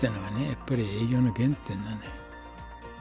やっぱり営業の原点なのよ。